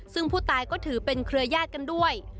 ซึ่งผู้ตายก็ถือเป็นเครือญาติกันด้วย